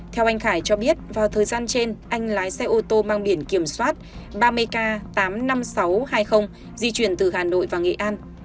theo anh khải cho biết vào thời gian trên anh lái xe ô tô mang biển kiểm soát ba mươi k tám mươi năm nghìn sáu trăm hai mươi di chuyển từ hà nội và nghệ an